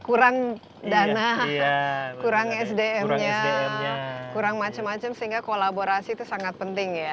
kurang dana kurang sdm nya kurang macam macam sehingga kolaborasi itu sangat penting ya